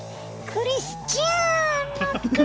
クリスチアーノ。